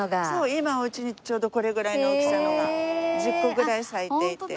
今おうちにちょうどこれぐらいの大きさのが１０個ぐらい咲いていて。